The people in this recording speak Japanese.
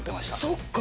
そっか。